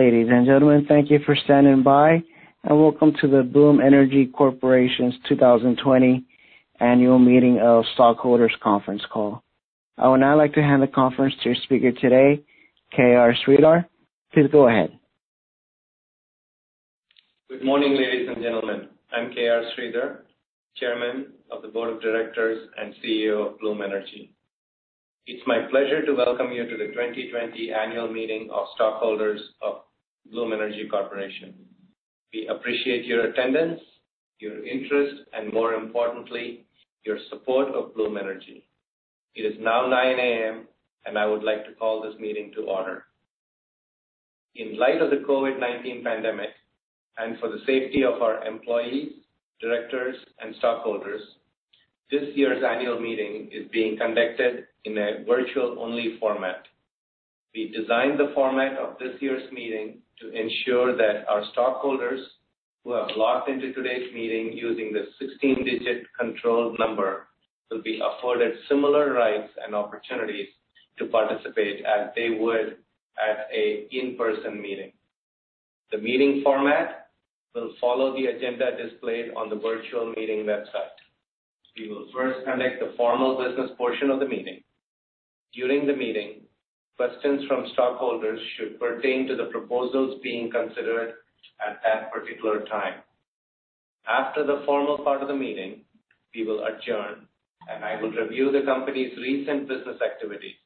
Ladies and gentlemen, thank you for standing by, and welcome to the Bloom Energy Corporation's 2020 Annual Meeting of Stockholders' Conference Call. I would now like to hand the conference to our speaker today, KR Sridhar. Please go ahead. Good morning, ladies and gentlemen. I'm KR Sridhar, Chairman of the Board of Directors and CEO of Bloom Energy. It's my pleasure to welcome you to the 2020 Annual Meeting of Stockholders of Bloom Energy Corporation. We appreciate your attendance, your interest, and more importantly, your support of Bloom Energy. It is now 9:00 A.M., and I would like to call this meeting to order. In light of the COVID-19 pandemic, and for the safety of our employees, directors, and stockholders, this year's annual meeting is being conducted in a virtual-only format. We designed the format of this year's meeting to ensure that our stockholders who have logged into today's meeting using the 16-digit control number will be afforded similar rights and opportunities to participate as they would at an in-person meeting. The meeting format will follow the agenda displayed on the virtual meeting website. We will first conduct the formal business portion of the meeting. During the meeting, questions from stockholders should pertain to the proposals being considered at that particular time. After the formal part of the meeting, we will adjourn, and I will review the company's recent business activities.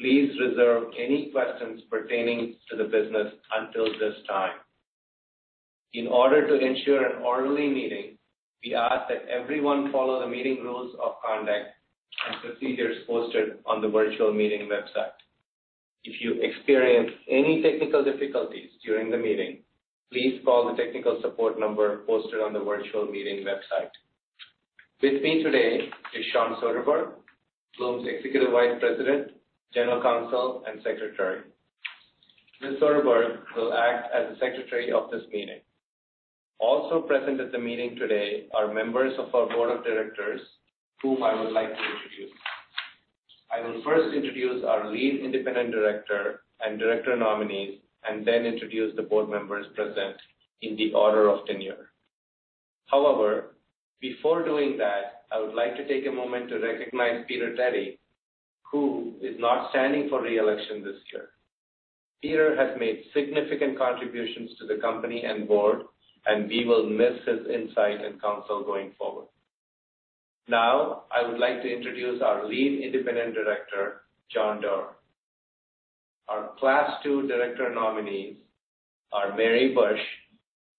Please reserve any questions pertaining to the business until this time. In order to ensure an orderly meeting, we ask that everyone follow the meeting rules of conduct and procedures posted on the virtual meeting website. If you experience any technical difficulties during the meeting, please call the technical support number posted on the virtual meeting website. With me today is Shawn Soderberg, Bloom's Executive Vice President, General Counsel, and Secretary. Ms. Soderberg will act as the Secretary of this meeting. Also present at the meeting today are members of our Board of Directors, whom I would like to introduce. I will first introduce our lead independent director and director nominees, and then introduce the board members present in the order of tenure. However, before doing that, I would like to take a moment to recognize Peter Teti, who is not standing for reelection this year. Peter has made significant contributions to the company and board, and we will miss his insight and counsel going forward. Now, I would like to introduce our lead independent director, John Doerr. Our Class 2 Director Nominees are Mary Bush,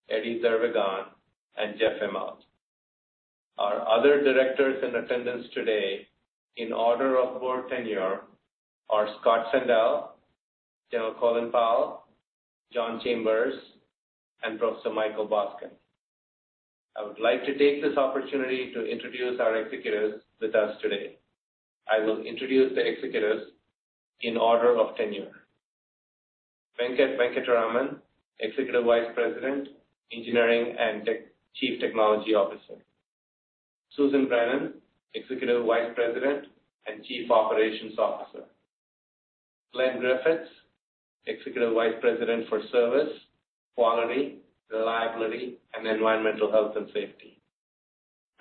Eddy Zervigon, and Jeff Immelt. Our other directors in attendance today, in order of board tenure, are Scott Sandell, Colin Powell, John Chambers, and Professor Michael Boskin. I would like to take this opportunity to introduce our executives with us today. I will introduce the executives in order of tenure. Venkat Venkataraman, Executive Vice President, Engineering and Chief Technology Officer. Susan Brennan, Executive Vice President and Chief Operations Officer. Glenn Griffiths, Executive Vice President for Service, Quality, Reliability, and Environmental Health and Safety.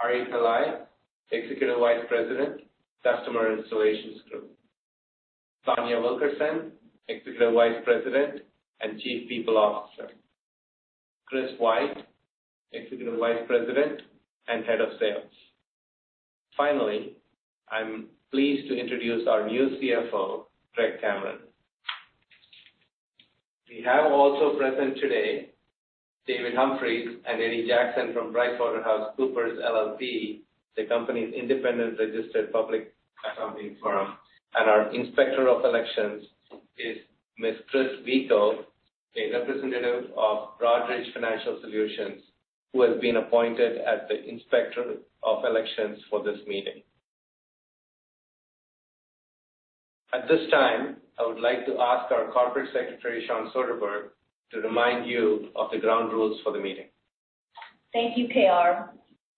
Arif Kalai, Executive Vice President, Customer Installations Group. Tanya Wilkerson, Executive Vice President and Chief People Officer. Chris White, Executive Vice President and Head of Sales. Finally, I'm pleased to introduce our new CFO, Greg Cameron. We have also present today David Humphries and Eddie Jackson from PricewaterhouseCoopers LLP, the company's independent registered public accounting firm. And our Inspector of Elections is Ms. Kris Veaco, a representative of Broadridge Financial Solutions, who has been appointed as the Inspector of Elections for this meeting. At this time, I would like to ask our Corporate Secretary, Shawn Soderberg, to remind you of the ground rules for the meeting. Thank you, KR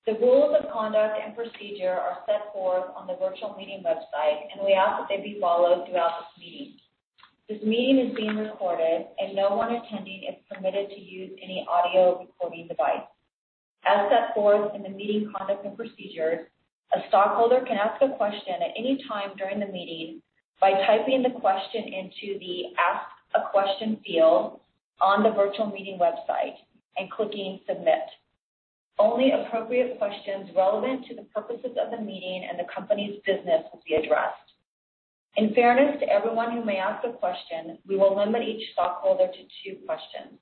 The rules of conduct and procedure are set forth on the virtual meeting website, and we ask that they be followed throughout this meeting. This meeting is being recorded, and no one attending is permitted to use any audio recording device. As set forth in the meeting conduct and procedures, a stockholder can ask a question at any time during the meeting by typing the question into the Ask a Question field on the virtual meeting website and clicking Submit. Only appropriate questions relevant to the purposes of the meeting and the company's business will be addressed. In fairness to everyone who may ask a question, we will limit each stockholder to two questions.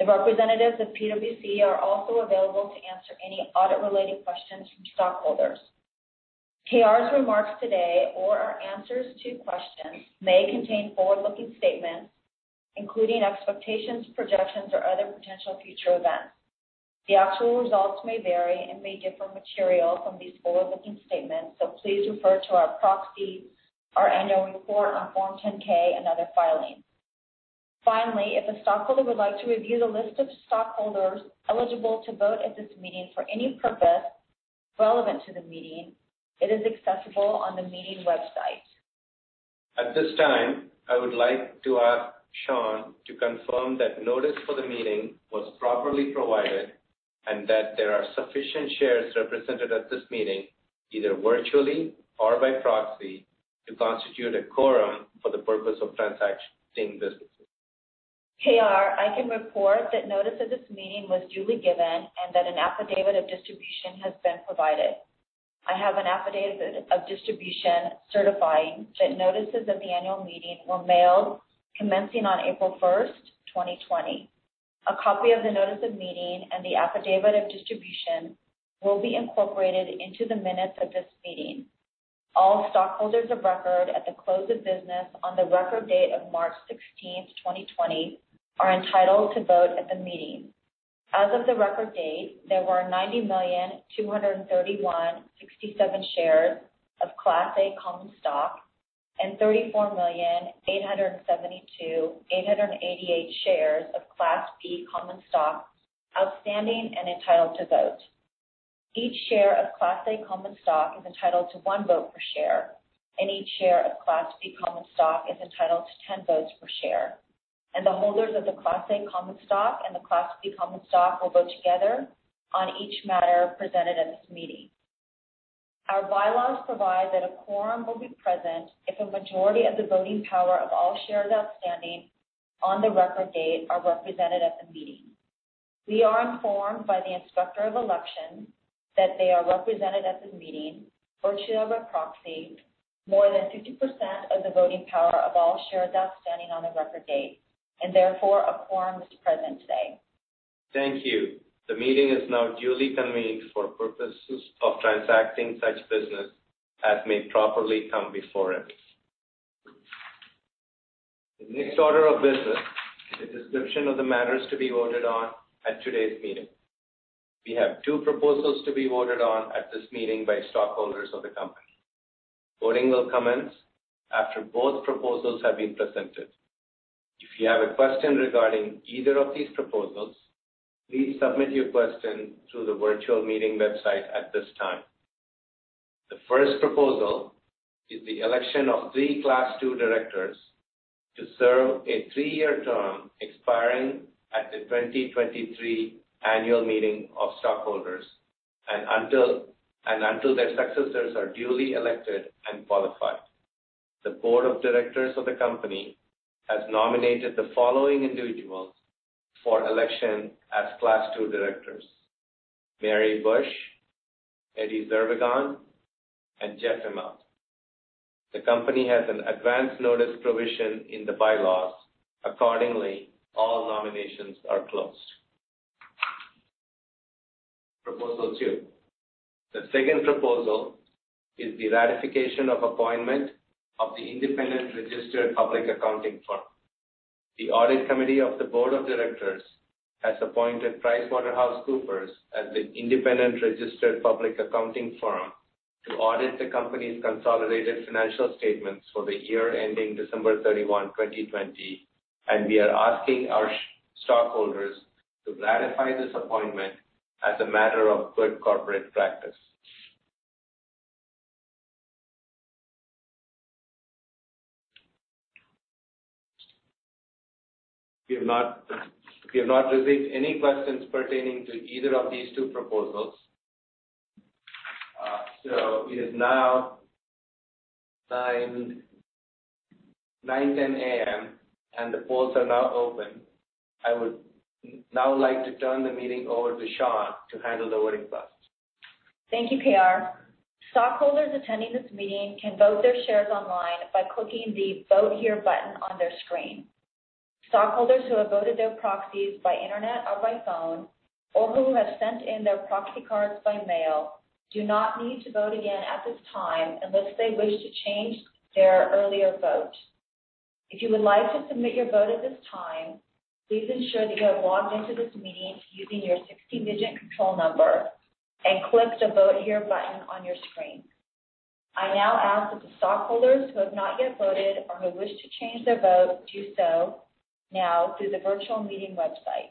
The representatives of PwC are also available to answer any audit-related questions from stockholders. KR's remarks today or our answers to questions may contain forward-looking statements, including expectations, projections, or other potential future events. The actual results may vary and may differ materially from these forward-looking statements, so please refer to our proxy, our annual report on Form 10-K, and other filings. Finally, if a stockholder would like to review the list of stockholders eligible to vote at this meeting for any purpose relevant to the meeting, it is accessible on the meeting website. At this time, I would like to ask Shawn to confirm that notice for the meeting was properly provided and that there are sufficient shares represented at this meeting, either virtually or by proxy, to constitute a quorum for the purpose of transacting business. KR, I can report that notice of this meeting was duly given and that an affidavit of distribution has been provided. I have an affidavit of distribution certifying that notices of the annual meeting were mailed commencing on April 1, 2020. A copy of the notice of meeting and the affidavit of distribution will be incorporated into the minutes of this meeting. All stockholders of record at the close of business on the record date of March 16, 2020, are entitled to vote at the meeting. As of the record date, there were 90,231,067 shares of Class A Common Stock and 34,872,888 shares of Class B Common Stock outstanding and entitled to vote. Each share of Class A Common Stock is entitled to one vote per share, and each share of Class B Common Stock is entitled to 10 votes per share. The holders of the Class A Common Stock and the Class B Common Stock will vote together on each matter presented at this meeting. Our bylaws provide that a quorum will be present if a majority of the voting power of all shares outstanding on the record date are represented at the meeting. We are informed by the Inspector of Elections that they are represented at this meeting virtually or by proxy, more than 50% of the voting power of all shares outstanding on the record date, and therefore a quorum is present today. Thank you. The meeting is now duly convened for purposes of transacting such business as may properly come before it. The next order of business is a description of the matters to be voted on at today's meeting. We have two proposals to be voted on at this meeting by stockholders of the company. Voting will commence after both proposals have been presented. If you have a question regarding either of these proposals, please submit your question through the virtual meeting website at this time. The first proposal is the election of three Class 2 directors to serve a three-year term expiring at the 2023 Annual Meeting of Stockholders and until their successors are duly elected and qualified. The Board of Directors of the company has nominated the following individuals for election as Class 2 directors: Mary Bush, Eddy Zervigon, and Jeff Immelt. The company has an advance notice provision in the bylaws. Accordingly, all nominations are closed. Proposal two. The second proposal is the ratification of appointment of the independent registered public accounting firm. The Audit Committee of the Board of Directors has appointed PricewaterhouseCoopers as the independent registered public accounting firm to audit the company's consolidated financial statements for the year ending December 31, 2020, and we are asking our stockholders to ratify this appointment as a matter of good corporate practice. We have not received any questions pertaining to either of these two proposals. So it is now 9:10 A.M., and the polls are now open. I would now like to turn the meeting over to Shawn to handle the voting process. Thank you, KR Stockholders attending this meeting can vote their shares online by clicking the Vote Here button on their screen. Stockholders who have voted their proxies by internet or by phone or who have sent in their proxy cards by mail do not need to vote again at this time unless they wish to change their earlier vote. If you would like to submit your vote at this time, please ensure that you have logged into this meeting using your 16-digit control number and click the Vote Here button on your screen. I now ask that the stockholders who have not yet voted or who wish to change their vote do so now through the virtual meeting website.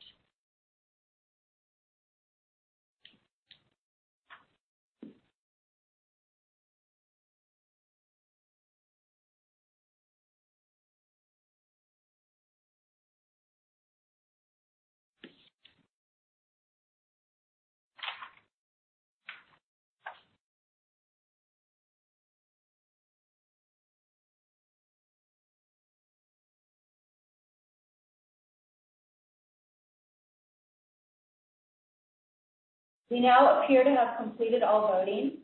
We now appear to have completed all voting.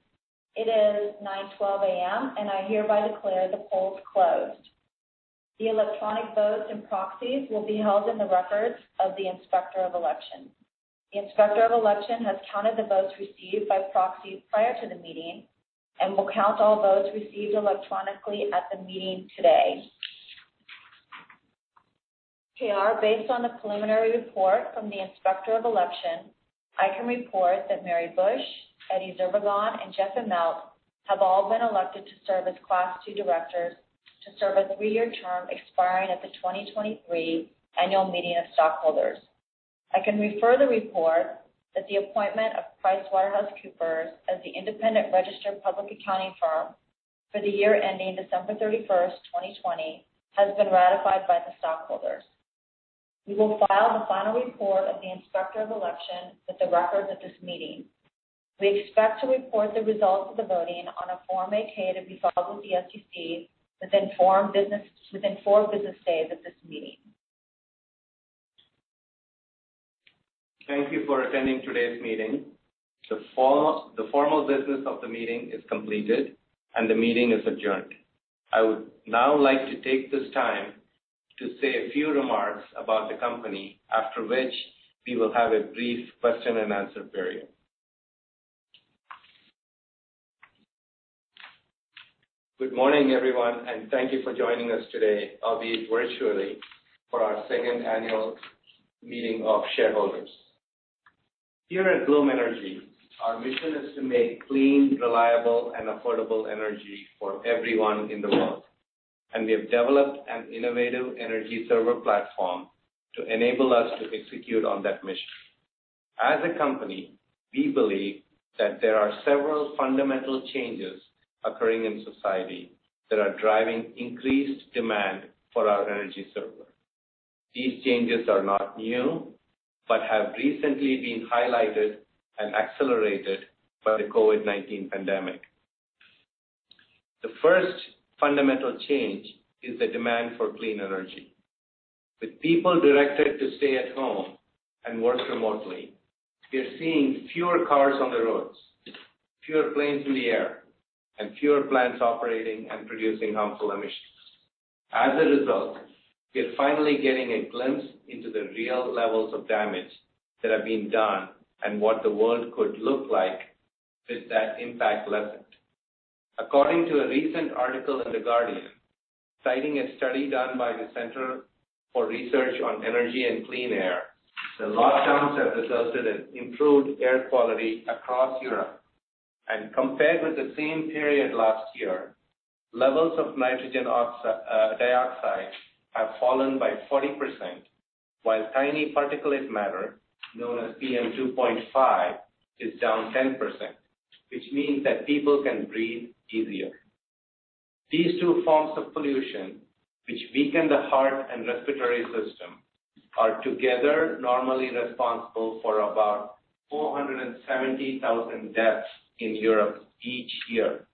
It is 9:12 A.M., and I hereby declare the polls closed. The electronic votes and proxies will be held in the records of the Inspector of Elections. The Inspector of Elections has counted the votes received by proxies prior to the meeting and will count all votes received electronically at the meeting today. KR, based on the preliminary report from the Inspector of Elections, I can report that Mary Bush, Eddy Zervigon, and Jeff Immelt have all been elected to serve as Class 2 directors to serve a three-year term expiring at the 2023 Annual Meeting of Stockholders. I can refer to the report that the appointment of PricewaterhouseCoopers as the independent registered public accounting firm for the year ending December 31, 2020, has been ratified by the stockholders. We will file the final report of the Inspector of Elections with the records of this meeting. We expect to report the results of the voting on a Form 8-K to be filed with the SEC within four business days of this meeting. Thank you for attending today's meeting. The formal business of the meeting is completed, and the meeting is adjourned. I would now like to take this time to say a few remarks about the company, after which we will have a brief question and answer period. Good morning, everyone, and thank you for joining us today, albeit virtually, for our second annual meeting of shareholders. Here at Bloom Energy, our mission is to make clean, reliable, and affordable energy for everyone in the world, and we have developed an innovative energy server platform to enable us to execute on that mission. As a company, we believe that there are several fundamental changes occurring in society that are driving increased demand for our energy server. These changes are not new but have recently been highlighted and accelerated by the COVID-19 pandemic. The first fundamental change is the demand for clean energy. With people directed to stay at home and work remotely, we are seeing fewer cars on the roads, fewer planes in the air, and fewer plants operating and producing harmful emissions. As a result, we are finally getting a glimpse into the real levels of damage that have been done and what the world could look like with that impact lessened. According to a recent article in The Guardian, citing a study done by the Center for Research on Energy and Clean Air, the lockdowns have resulted in improved air quality across Europe. And compared with the same period last year, levels of nitrogen dioxide have fallen by 40%, while tiny particulate matter, known as PM2.5, is down 10%, which means that people can breathe easier. These two forms of pollution, which weaken the heart and respiratory system, are together normally responsible for about 470,000 deaths in Europe each year.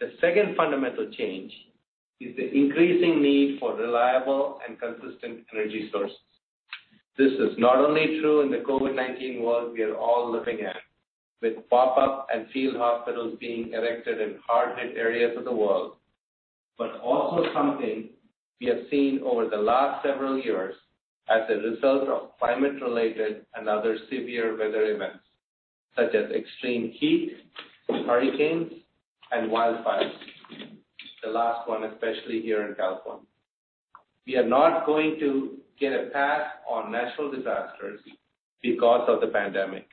The second fundamental change is the increasing need for reliable and consistent energy sources. This is not only true in the COVID-19 world we are all living in, with pop-up and field hospitals being erected in hard-hit areas of the world, but also something we have seen over the last several years as a result of climate-related and other severe weather events, such as extreme heat, hurricanes, and wildfires, the last one especially here in California. We are not going to get a pass on natural disasters because of the pandemic.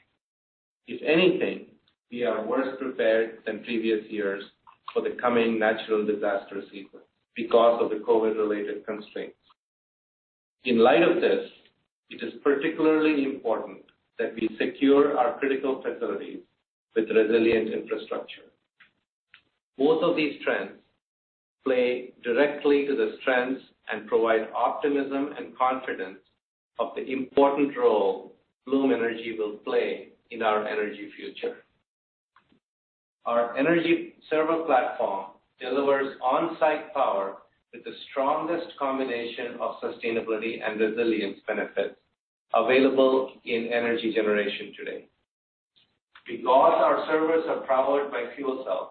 If anything, we are worse prepared than previous years for the coming natural disaster sequence because of the COVID-related constraints. In light of this, it is particularly important that we secure our critical facilities with resilient infrastructure. Both of these trends play directly to the strengths and provide optimism and confidence of the important role Bloom Energy will play in our energy future. Our energy server platform delivers on-site power with the strongest combination of sustainability and resilience benefits available in energy generation today. Because our servers are powered by fuel cells,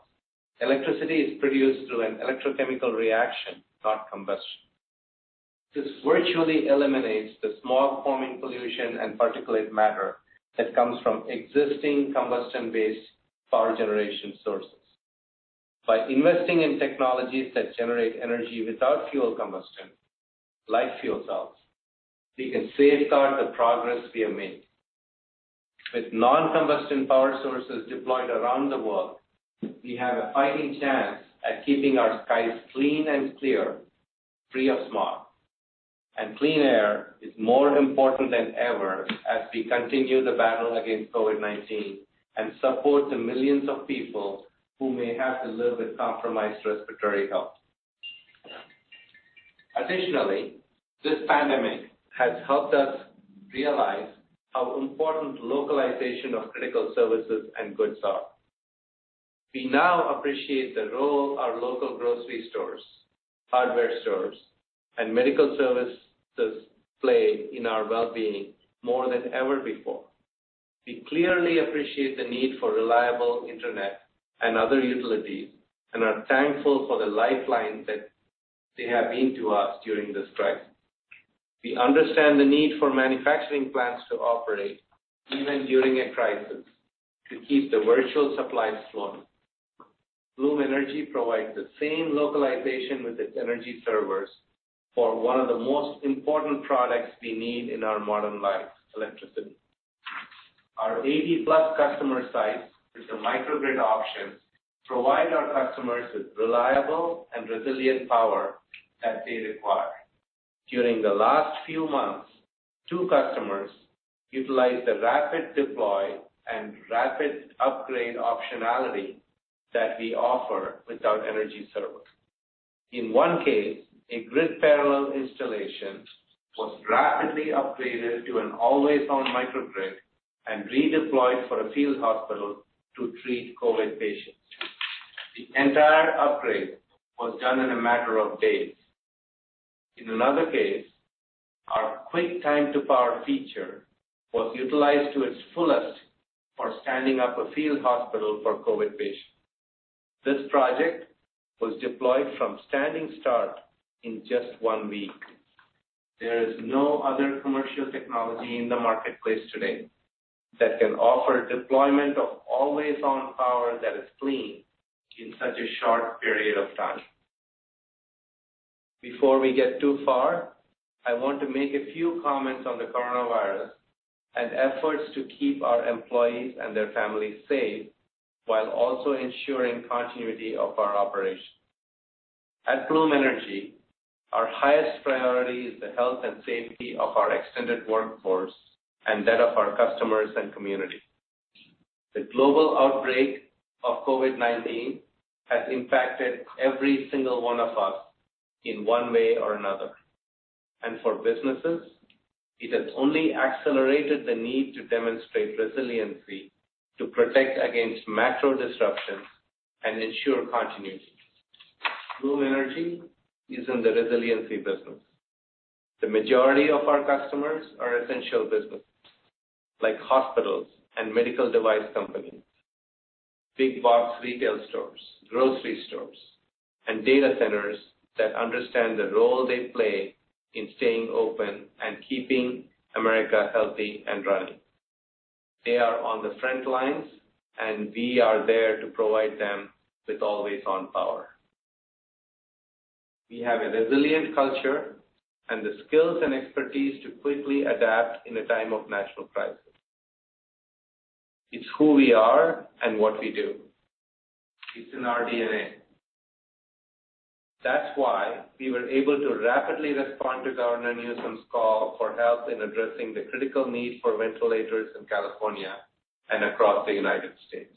electricity is produced through an electrochemical reaction, not combustion. This virtually eliminates the smog-forming pollution and particulate matter that comes from existing combustion-based power generation sources. By investing in technologies that generate energy without fuel combustion, like fuel cells, we can safeguard the progress we have made. With non-combustion power sources deployed around the world, we have a fighting chance at keeping our skies clean and clear, free of smog. Clean air is more important than ever as we continue the battle against COVID-19 and support the millions of people who may have the little bit compromised respiratory health. Additionally, this pandemic has helped us realize how important localization of critical services and goods are. We now appreciate the role our local grocery stores, hardware stores, and medical services play in our well-being more than ever before. We clearly appreciate the need for reliable internet and other utilities and are thankful for the lifelines that they have been to us during this crisis. We understand the need for manufacturing plants to operate even during a crisis to keep the vital supplies flowing. Bloom Energy provides the same localization with its energy servers for one of the most important products we need in our modern life, electricity. Our 80-plus customer sites with the microgrid options provide our customers with reliable and resilient power that they require. During the last few months, two customers utilized the rapid deploy and rapid upgrade optionality that we offer with our energy server. In one case, a grid-parallel installation was rapidly upgraded to an always-on microgrid and redeployed for a field hospital to treat COVID patients. The entire upgrade was done in a matter of days. In another case, our quick time-to-power feature was utilized to its fullest for standing up a field hospital for COVID patients. This project was deployed from standing start in just one week. There is no other commercial technology in the marketplace today that can offer deployment of always-on power that is clean in such a short period of time. Before we get too far, I want to make a few comments on the coronavirus and efforts to keep our employees and their families safe while also ensuring continuity of our operation. At Bloom Energy, our highest priority is the health and safety of our extended workforce and that of our customers and community. The global outbreak of COVID-19 has impacted every single one of us in one way or another, and for businesses, it has only accelerated the need to demonstrate resiliency to protect against macro disruptions and ensure continuity. Bloom Energy is in the resiliency business. The majority of our customers are essential businesses like hospitals and medical device companies, big box retail stores, grocery stores, and data centers that understand the role they play in staying open and keeping America healthy and running. They are on the front lines, and we are there to provide them with always-on power. We have a resilient culture and the skills and expertise to quickly adapt in a time of natural crisis. It's who we are and what we do. It's in our DNA. That's why we were able to rapidly respond to Governor Newsom's call for help in addressing the critical need for ventilators in California and across the United States,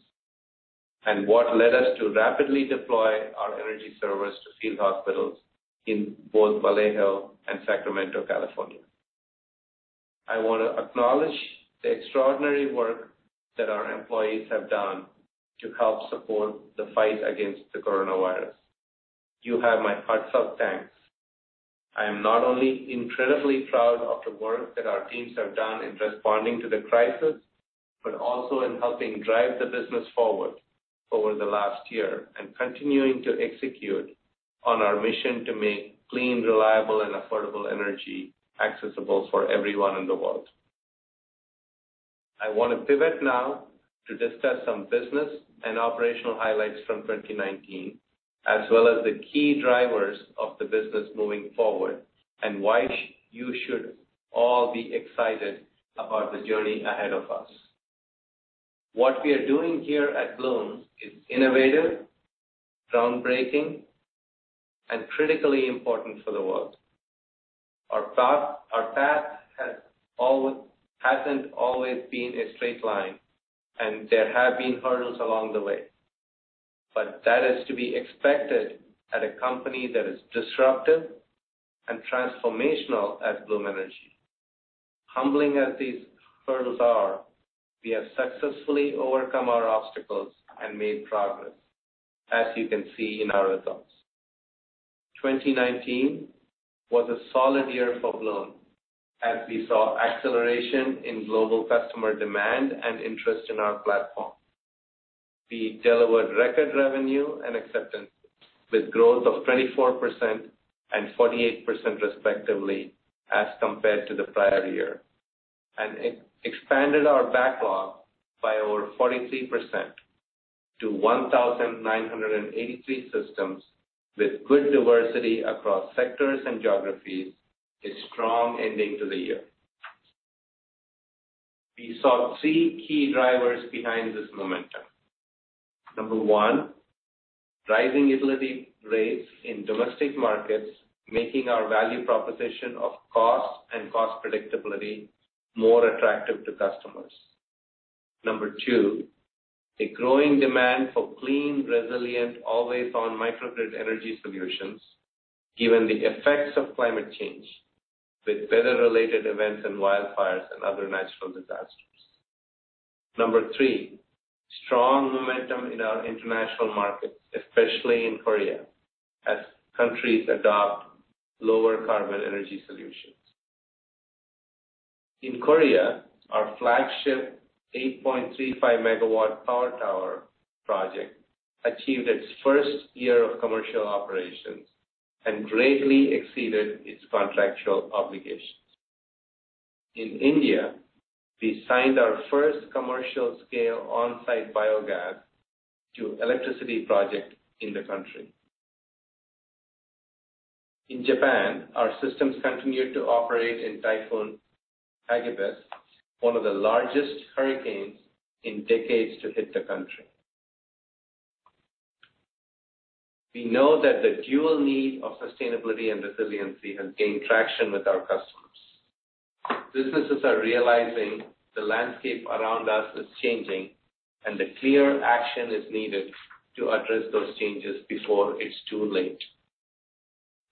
and what led us to rapidly deploy our energy servers to field hospitals in both Vallejo and Sacramento, California. I want to acknowledge the extraordinary work that our employees have done to help support the fight against the coronavirus. You have my heartfelt thanks. I am not only incredibly proud of the work that our teams have done in responding to the crisis but also in helping drive the business forward over the last year and continuing to execute on our mission to make clean, reliable, and affordable energy accessible for everyone in the world. I want to pivot now to discuss some business and operational highlights from 2019, as well as the key drivers of the business moving forward and why you should all be excited about the journey ahead of us. What we are doing here at Bloom is innovative, groundbreaking, and critically important for the world. Our path hasn't always been a straight line, and there have been hurdles along the way. But that is to be expected at a company that is disruptive and transformational at Bloom Energy. Humbling as these hurdles are, we have successfully overcome our obstacles and made progress, as you can see in our results. 2019 was a solid year for Bloom as we saw acceleration in global customer demand and interest in our platform. We delivered record revenue and acceptance with growth of 24% and 48%, respectively, as compared to the prior year, and expanded our backlog by over 43% to 1,983 systems with good diversity across sectors and geographies, a strong ending to the year. We saw three key drivers behind this momentum. Number one, rising utility rates in domestic markets making our value proposition of cost and cost predictability more attractive to customers. Number two, a growing demand for clean, resilient, always-on microgrid energy solutions given the effects of climate change with weather-related events and wildfires and other natural disasters. Number three, strong momentum in our international markets, especially in Korea, as countries adopt lower carbon energy solutions. In Korea, our flagship 8.35-MV power tower project achieved its first year of commercial operations and greatly exceeded its contractual obligations. In India, we signed our first commercial-scale on-site biogas to electricity project in the country. In Japan, our systems continued to operate in Typhoon Hagibis, one of the largest hurricanes in decades to hit the country. We know that the dual need of sustainability and resiliency has gained traction with our customers. Businesses are realizing the landscape around us is changing, and clear action is needed to address those changes before it's too late.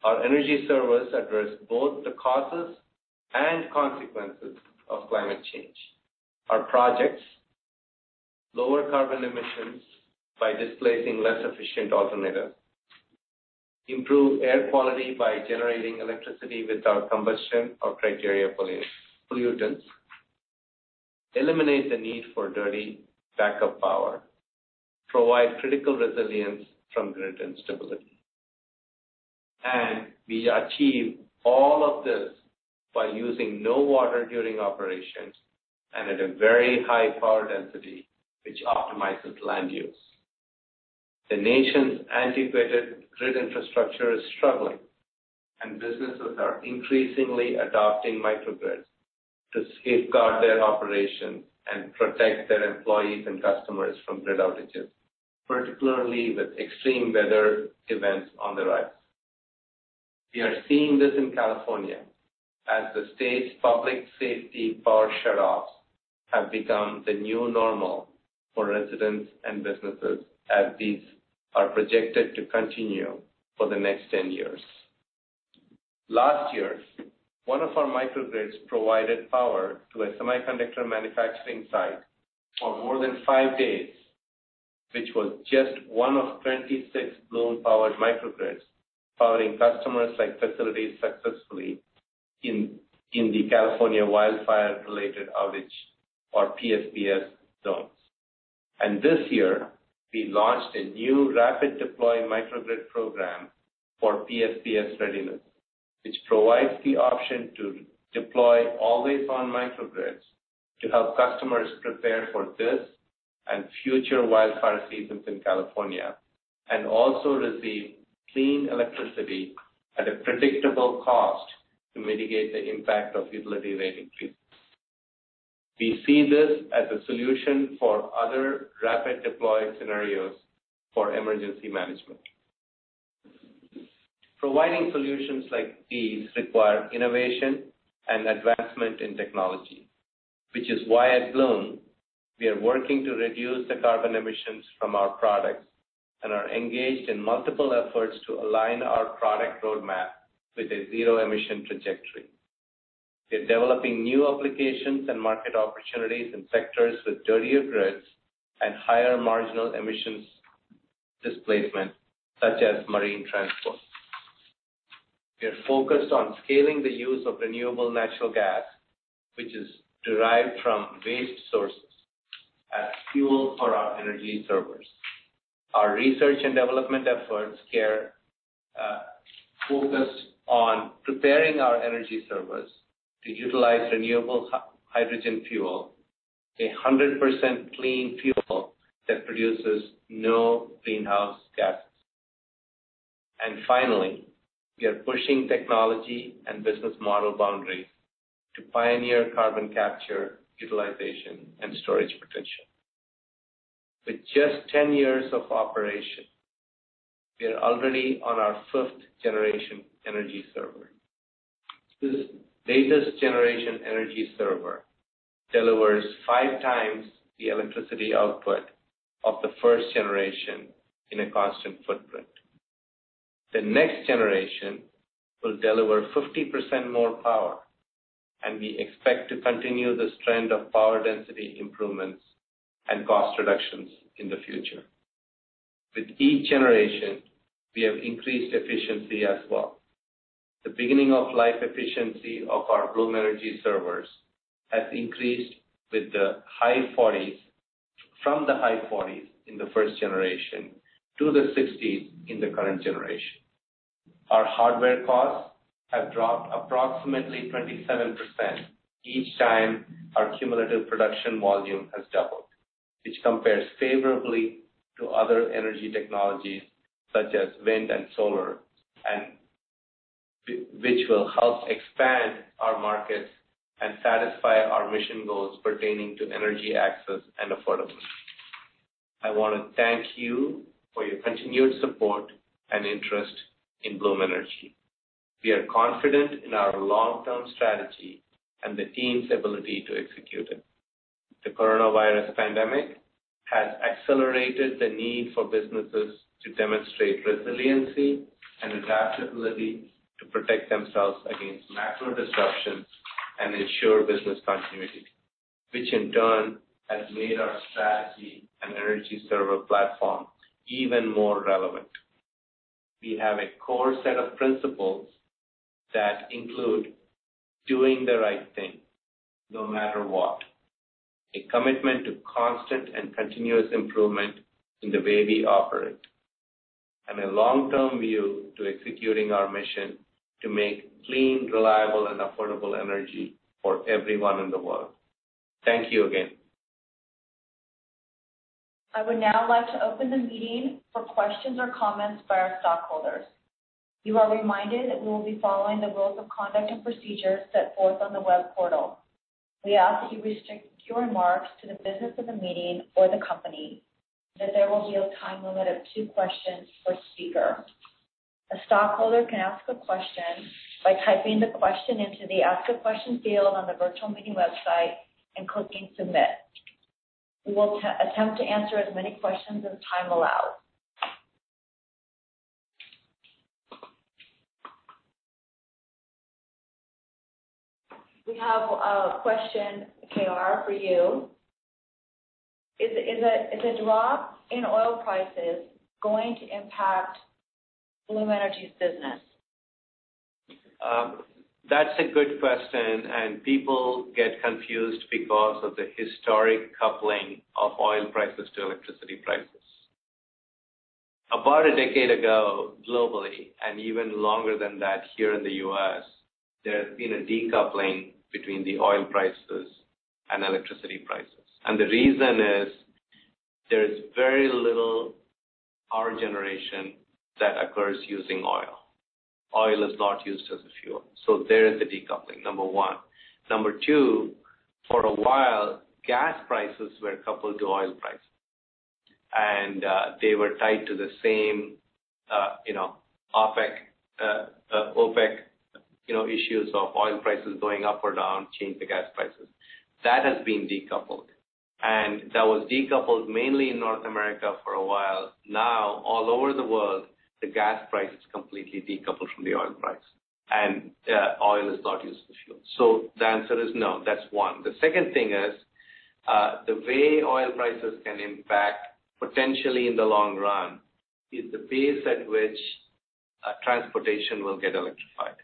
Our energy servers address both the causes and consequences of climate change. Our projects lower carbon emissions by displacing less efficient alternatives, improve air quality by generating electricity without combustion or criteria pollutants, eliminate the need for dirty backup power, and provide critical resilience from grid instability, and we achieve all of this by using no water during operations and at a very high power density, which optimizes land use. The nation's antiquated grid infrastructure is struggling, and businesses are increasingly adopting microgrids to safeguard their operations and protect their employees and customers from grid outages, particularly with extreme weather events on the rise. We are seeing this in California as the state's public safety power shutoffs have become the new normal for residents and businesses, as these are projected to continue for the next 10 years. Last year, one of our microgrids provided power to a semiconductor manufacturing site for more than five days, which was just one of 26 Bloom-powered microgrids powering customers' facilities successfully in the California wildfire-related outage, or PSPS, zones. This year, we launched a new rapid deploy microgrid program for PSPS readiness, which provides the option to deploy always-on microgrids to help customers prepare for this and future wildfire seasons in California and also receive clean electricity at a predictable cost to mitigate the impact of utility rate increases. We see this as a solution for other rapid deploy scenarios for emergency management. Providing solutions like these requires innovation and advancement in technology, which is why at Bloom, we are working to reduce the carbon emissions from our products and are engaged in multiple efforts to align our product roadmap with a zero-emission trajectory. We are developing new applications and market opportunities in sectors with dirtier grids and higher marginal emissions displacement, such as marine transport. We are focused on scaling the use of renewable natural gas, which is derived from waste sources, as fuel for our Energy Servers. Our research and development efforts are focused on preparing our Energy Servers to utilize renewable hydrogen fuel, a 100% clean fuel that produces no greenhouse gases. Finally, we are pushing technology and business model boundaries to pioneer carbon capture, utilization, and storage potential. With just 10 years of operation, we are already on our fifth-generation Energy Server. This latest-generation Energy Server delivers five times the electricity output of the first generation in a constant footprint. The next generation will deliver 50% more power, and we expect to continue this trend of power density improvements and cost reductions in the future. With each generation, we have increased efficiency as well. The beginning of life efficiency of our Bloom Energy Servers has increased with the high 40s from the high 40s in the first generation to the 60s in the current generation. Our hardware costs have dropped approximately 27% each time our cumulative production volume has doubled, which compares favorably to other energy technologies such as wind and solar, which will help expand our markets and satisfy our mission goals pertaining to energy access and affordability. I want to thank you for your continued support and interest in Bloom Energy. We are confident in our long-term strategy and the team's ability to execute it. The coronavirus pandemic has accelerated the need for businesses to demonstrate resiliency and adaptability to protect themselves against macro disruptions and ensure business continuity, which in turn has made our strategy and Energy Server platform even more relevant. We have a core set of principles that include doing the right thing no matter what, a commitment to constant and continuous improvement in the way we operate, and a long-term view to executing our mission to make clean, reliable, and affordable energy for everyone in the world. Thank you again. I would now like to open the meeting for questions or comments by our stockholders. You are reminded that we will be following the rules of conduct and procedure set forth on the web portal. We ask that you restrict your remarks to the business of the meeting or the company. That there will be a time limit of two questions per speaker. A stockholder can ask a question by typing the question into the Ask a Question field on the virtual meeting website and clicking Submit. We will attempt to answer as many questions as time allows. We have a question, KR, for you. Is a drop in oil prices going to impact Bloom Energy's business? That's a good question, and people get confused because of the historic coupling of oil prices to electricity prices. About a decade ago, globally, and even longer than that here in the U.S., there has been a decoupling between the oil prices and electricity prices. And the reason is there is very little power generation that occurs using oil. Oil is not used as a fuel. So there is the decoupling, number one. Number two, for a while, gas prices were coupled to oil prices, and they were tied to the same OPEC issues of oil prices going up or down, change the gas prices. That has been decoupled, and that was decoupled mainly in North America for a while. Now, all over the world, the gas price is completely decoupled from the oil price, and oil is not used as a fuel. So the answer is no. That's one. The second thing is the way oil prices can impact potentially in the long run is the pace at which transportation will get electrified.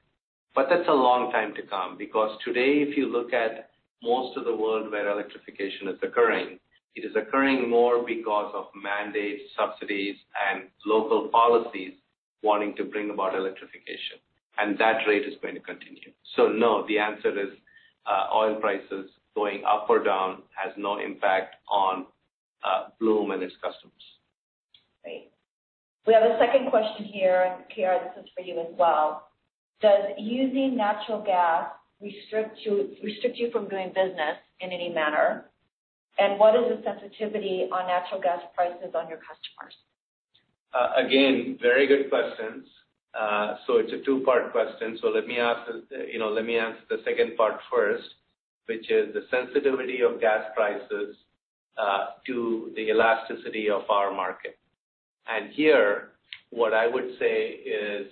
But that's a long time to come because today, if you look at most of the world where electrification is occurring, it is occurring more because of mandates, subsidies, and local policies wanting to bring about electrification, and that rate is going to continue. So no, the answer is oil prices going up or down has no impact on Bloom and its customers. Great. We have a second question here, and KR, this is for you as well. Does using natural gas restrict you from doing business in any manner? And what is the sensitivity on natural gas prices on your customers? Again, very good questions. So it's a two-part question. So let me answer the second part first, which is the sensitivity of gas prices to the elasticity of our market. And here, what I would say is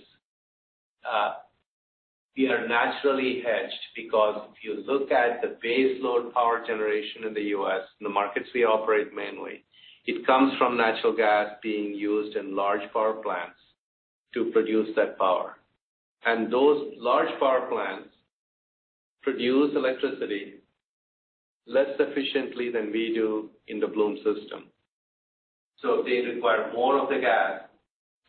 we are naturally hedged because if you look at the baseload power generation in the U.S., in the markets we operate mainly, it comes from natural gas being used in large power plants to produce that power. And those large power plants produce electricity less efficiently than we do in the Bloom system. So they require more of the gas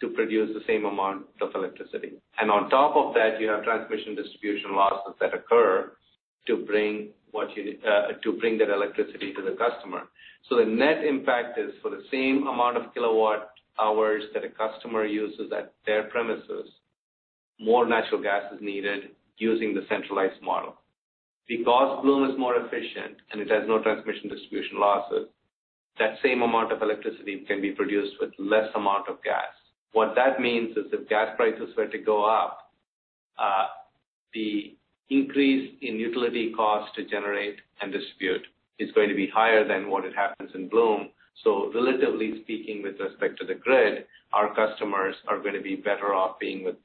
to produce the same amount of electricity. And on top of that, you have transmission distribution losses that occur to bring that electricity to the customer. So the net impact is for the same amount of kilowatt-hours that a customer uses at their premises, more natural gas is needed using the centralized model. Because Bloom is more efficient and it has no transmission distribution losses, that same amount of electricity can be produced with less amount of gas. What that means is if gas prices were to go up, the increase in utility costs to generate and distribute is going to be higher than what it happens in Bloom. So relatively speaking, with respect to the grid, our customers are going to be better off being with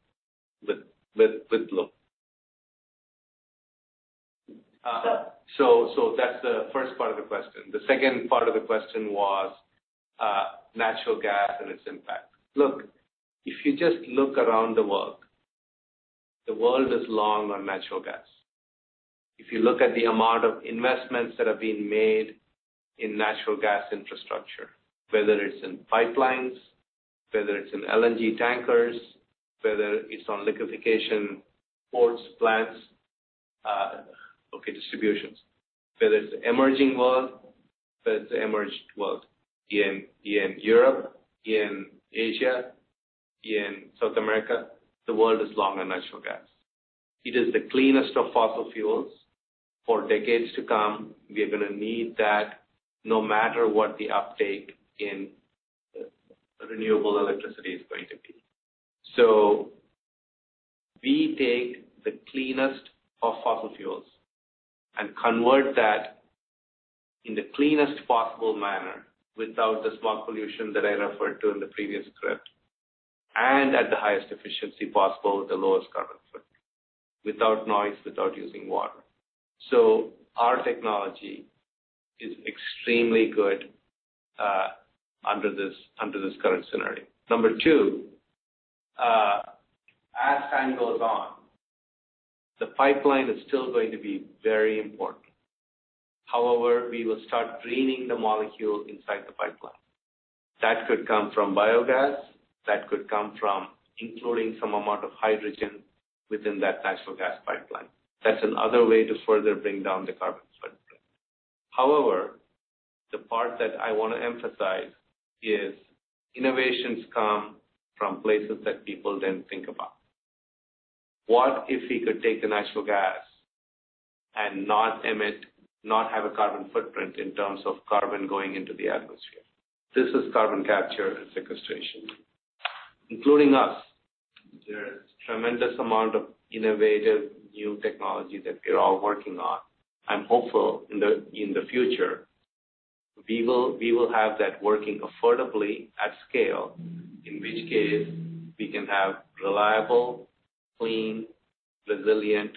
Bloom. So that's the first part of the question. The second part of the question was natural gas and its impact. Look, if you just look around the world, the world is long on natural gas. If you look at the amount of investments that have been made in natural gas infrastructure, whether it's in pipelines, whether it's in LNG tankers, whether it's on liquefaction ports, plants, okay, distributions, whether it's the emerging world, whether it's the emerged world, in Europe, in Asia, in South America, the world is long on natural gas. It is the cleanest of fossil fuels for decades to come. We are going to need that no matter what the uptake in renewable electricity is going to be. So we take the cleanest of fossil fuels and convert that in the cleanest possible manner without the smog pollution that I referred to in the previous script and at the highest efficiency possible with the lowest carbon footprint, without noise, without using water. So our technology is extremely good under this current scenario. Number two, as time goes on, the pipeline is still going to be very important. However, we will start decarbonizing the molecule inside the pipeline. That could come from biogas. That could come from including some amount of hydrogen within that natural gas pipeline. That's another way to further bring down the carbon footprint. However, the part that I want to emphasize is innovations come from places that people didn't think about. What if we could take the natural gas and not emit, not have a carbon footprint in terms of carbon going into the atmosphere? This is carbon capture and sequestration. Including us, there is a tremendous amount of innovative new technology that we are all working on. I'm hopeful in the future we will have that working affordably at scale, in which case we can have reliable, clean, resilient,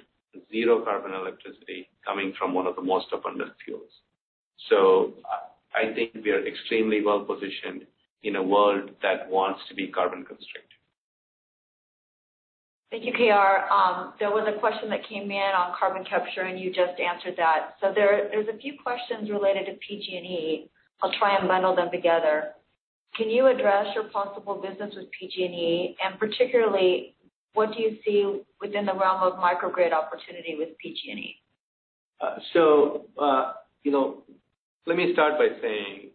zero-carbon electricity coming from one of the most abundant fuels. So I think we are extremely well-positioned in a world that wants to be carbon-constricted. Thank you, KR. There was a question that came in on carbon capture, and you just answered that. So there's a few questions related to PG&E. I'll try and bundle them together. Can you address your possible business with PG&E? And particularly, what do you see within the realm of microgrid opportunity with PG&E? So let me start by saying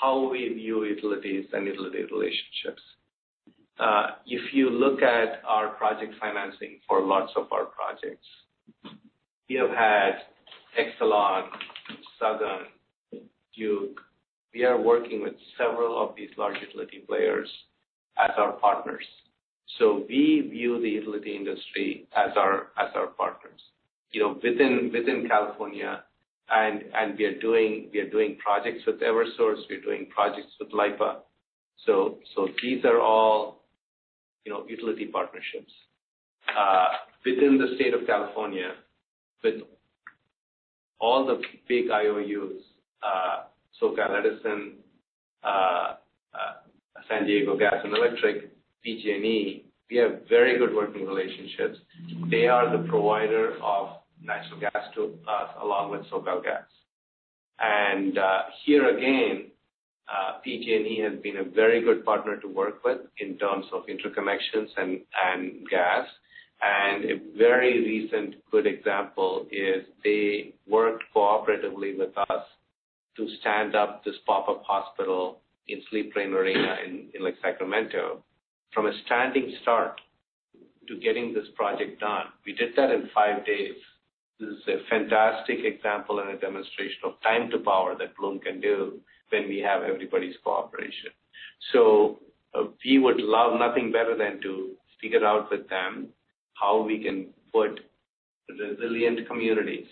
how we view utilities and utility relationships. If you look at our project financing for lots of our projects, we have had Exelon, Southern, Duke. We are working with several of these large utility players as our partners. We view the utility industry as our partners within California, and we are doing projects with Eversource. We are doing projects with LIPA. These are all utility partnerships within the state of California with all the big IOUs, SoCal Edison, San Diego Gas and Electric, PG&E. We have very good working relationships. They are the provider of natural gas to us along with SoCal Gas. Here again, PG&E has been a very good partner to work with in terms of interconnections and gas. A very recent good example is they worked cooperatively with us to stand up this pop-up hospital in Sleep Train Arena in Sacramento from a standing start to getting this project done. We did that in five days. This is a fantastic example and a demonstration of time to power that Bloom can do when we have everybody's cooperation. So we would love nothing better than to figure out with them how we can put resilient communities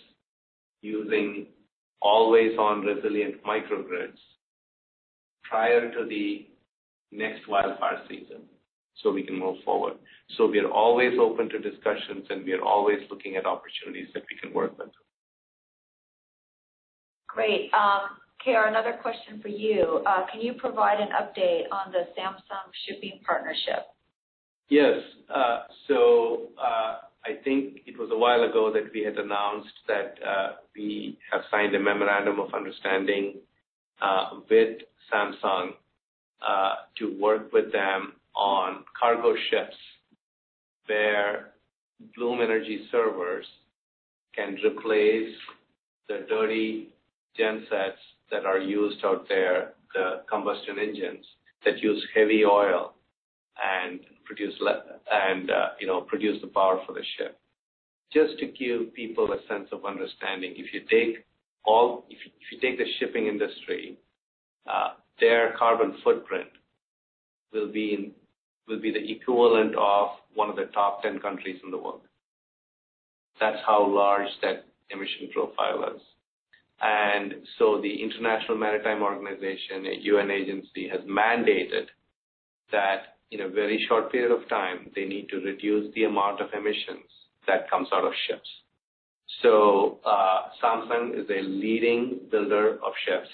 using always-on resilient microgrids prior to the next wildfire season so we can move forward. So we are always open to discussions, and we are always looking at opportunities that we can work with them. Great. KR, another question for you. Can you provide an update on the Samsung shipping partnership? Yes. So I think it was a while ago that we had announced that we have signed a memorandum of understanding with Samsung to work with them on cargo ships where Bloom Energy servers can replace the dirty gensets that are used out there, the combustion engines that use heavy oil and produce the power for the ship. Just to give people a sense of understanding, if you take the shipping industry, their carbon footprint will be the equivalent of one of the top 10 countries in the world. That's how large that emission profile is, and so the International Maritime Organization, a UN agency, has mandated that in a very short period of time, they need to reduce the amount of emissions that come out of ships, so Samsung is a leading builder of ships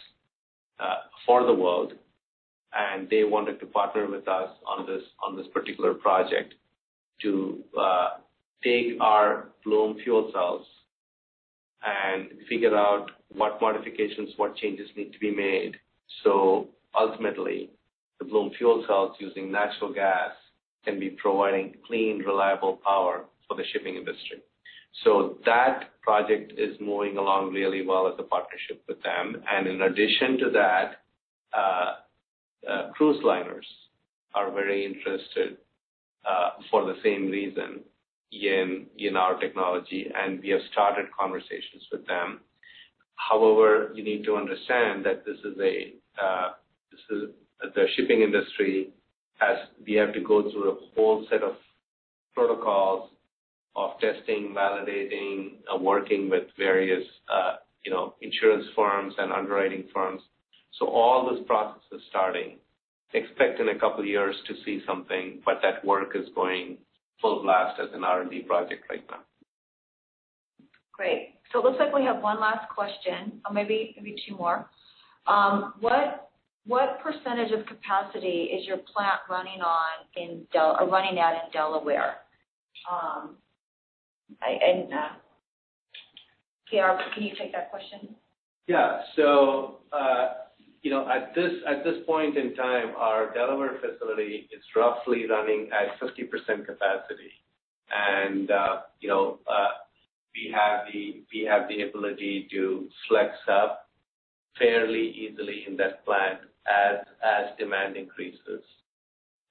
for the world, and they wanted to partner with us on this particular project to take our Bloom fuel cells and figure out what modifications, what changes need to be made. So ultimately, the Bloom fuel cells using natural gas can be providing clean, reliable power for the shipping industry, so that project is moving along really well as a partnership with them. In addition to that, cruise liners are very interested for the same reason in our technology, and we have started conversations with them. However, you need to understand that this is the shipping industry. We have to go through a whole set of protocols of testing, validating, working with various insurance firms and underwriting firms. So all this process is starting. Expect in a couple of years to see something, but that work is going full blast as an R&D project right now. Great. So it looks like we have one last question, or maybe two more. What percentage of capacity is your plant running at in Delaware? And KR, can you take that question? Yeah. So at this point in time, our Delaware facility is roughly running at 50% capacity. We have the ability to flex up fairly easily in that plant as demand increases.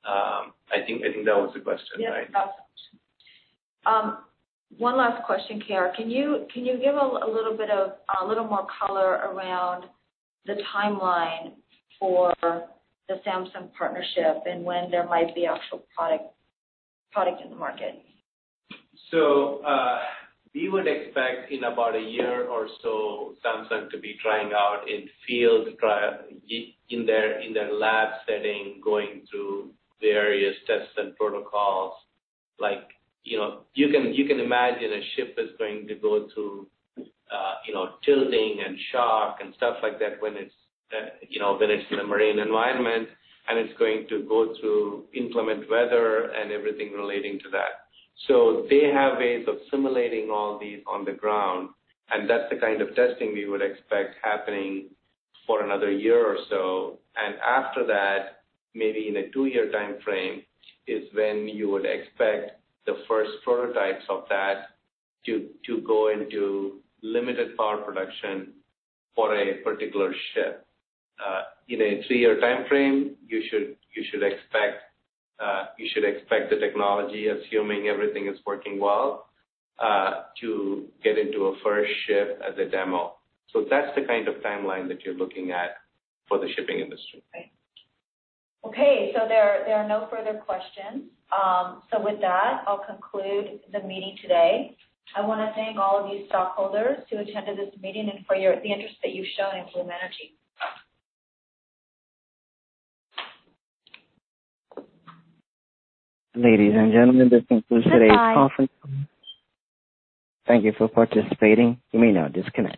I think that was the question, right? Yeah. That was the question. One last question, KR. Can you give a little bit more color around the timeline for the Samsung partnership and when there might be actual product in the market? We would expect in about a year or so, Samsung to be trying out in field in their lab setting, going through various tests and protocols. You can imagine a ship is going to go through tilting and shock and stuff like that when it's in a marine environment, and it's going to go through inclement weather and everything relating to that. They have ways of simulating all these on the ground, and that's the kind of testing we would expect happening for another year or so. After that, maybe in a two-year time frame is when you would expect the first prototypes of that to go into limited power production for a particular ship. In a three-year time frame, you should expect the technology, assuming everything is working well, to get into a first ship as a demo. So that's the kind of timeline that you're looking at for the shipping industry. Okay. Okay. So there are no further questions. So with that, I'll conclude the meeting today. I want to thank all of you stockholders who attended this meeting and for the interest that you've shown in Bloom Energy. Ladies and gentlemen, this concludes today's conference. Thank you for participating. You may now disconnect.